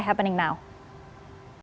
sampai jumpa di video selanjutnya